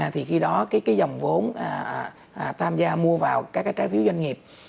thì khi đó cái dòng vốn tham gia mua vào các cái trái phiếu doanh nghiệp